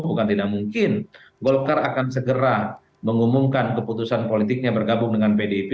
bukan tidak mungkin golkar akan segera mengumumkan keputusan politiknya bergabung dengan pdip